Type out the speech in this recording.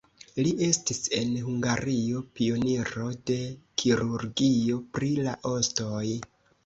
Li estis en Hungario pioniro de kirurgio pri la ostoj.